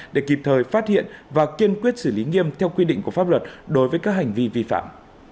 để kịp thời phát hiện và kiên quyết xử lý nghiêm theo quy định của pháp luật đối với các hành vi vi phạm